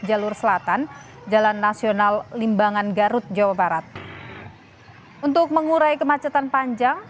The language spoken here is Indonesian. jalur selatan jalan nasional limbangan garut jawa barat untuk mengurai kemacetan panjang